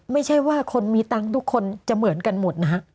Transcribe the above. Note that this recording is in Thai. ไม่ใช่ว่าคนมีตังค์ทุกคนจะเหมือนกันหมดนะฮะ